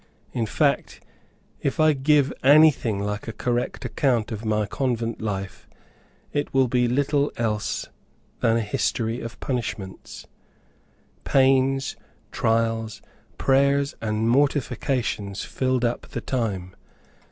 In fact, if I give anything like a correct account of my convent life, it will be little else than a history of punishments. Pains, trials, prayers, and mortifications filled up the time.